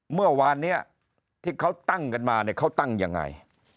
เมื่อวานนี้ที่เขาตั้งกันมาเนี่ยเขาตั้งยังไง